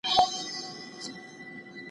انا خپلې تسبیح په پوره خلوص سره اړولې.